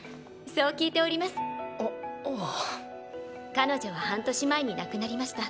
彼女は半年前に亡くなりました。